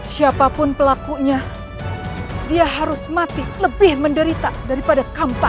siapapun pelakunya dia harus mati lebih menderita daripada kampanye